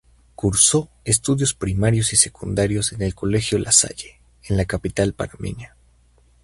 Cursó estudios primarios y secundarios en el Colegio La Salle, en la capital panameña.